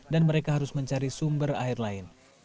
dan mereka harus mencari sumber air lain